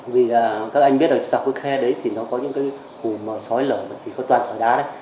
vì các anh biết rồi sạc cơ khe đấy thì nó có những cái hùm xói lở mà chỉ có toàn xói đá đấy